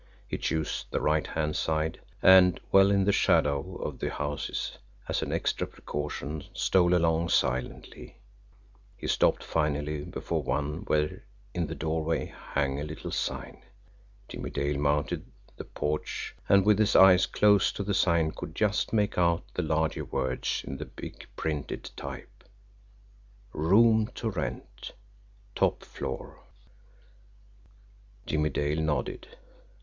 He chose the right hand side, and, well in the shadow of the houses, as an extra precaution, stole along silently. He stopped finally before one where, in the doorway, hung a little sign. Jimmie Dale mounted the porch, and with his eyes close to the sign could just make out the larger words in the big printed type: ROOM TO RENT TOP FLOOR Jimmie Dale nodded.